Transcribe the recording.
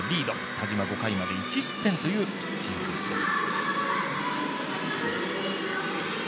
田嶋、５回まで１失点というピッチングです。